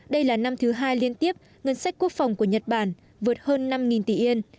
đây là năm thứ hai liên tiếp ngân sách quốc phòng của nhật bản vượt hơn năm tỷ yên